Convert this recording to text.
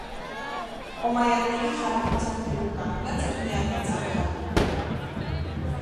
Օմայանների խալիֆայության գլուխ կանգնած էր միահեծան խալիֆան։